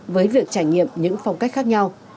với việc trải nghiệm những phong cách khác nhau